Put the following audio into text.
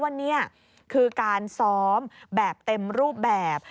นี่คือการซ้อมแบบเต็มรูปแบบ